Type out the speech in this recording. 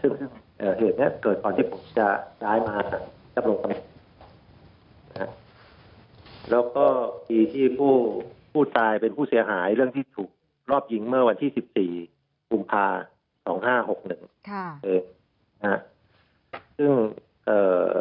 ซึ่งเอ่อเหตุเนี้ยเกิดก่อนที่ผมจะย้ายมารับรงตำแหน่งนะฮะแล้วก็มีที่ผู้ผู้ตายเป็นผู้เสียหายเรื่องที่ถูกรอบยิงเมื่อวันที่สิบสี่กุมภาสองห้าหกหนึ่งค่ะเองนะฮะซึ่งเอ่อ